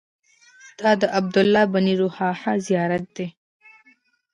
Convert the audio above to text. دا د عبدالله بن رواحه زیارت دی.